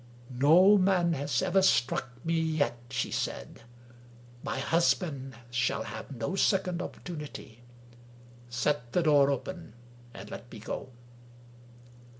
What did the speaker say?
" No man has ever struck me yet," she said. " My husband shall have no second opportunity. Set the door open, and let me go."